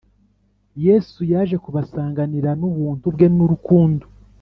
Yesu aje kubasanganira nubuntu bwe nurukundo